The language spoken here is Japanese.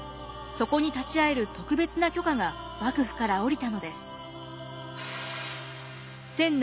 そこに立ち会える特別な許可が幕府から下りたのです。